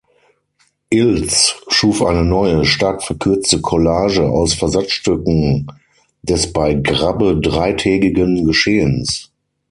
Iltz schuf eine neue, stark verkürzte Collage aus Versatzstücken des bei Grabbe dreitägigen Geschehens.